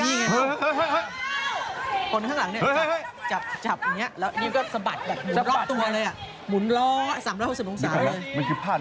มันต้องถูกของจริง